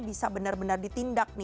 bisa benar benar ditindak